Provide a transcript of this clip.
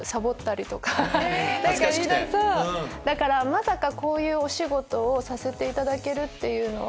まさかこういうお仕事をさせていただけるっていうのは。